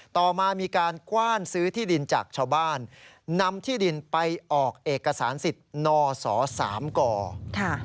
ต่อมามีการกว้านซื้อที่ดินจากชาวบ้านนำที่ดินไปออกเอกสารสิทธิ์นสสามกค่ะ